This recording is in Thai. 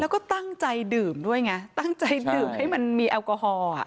แล้วก็ตั้งใจดื่มด้วยไงตั้งใจดื่มให้มันมีแอลกอฮอล์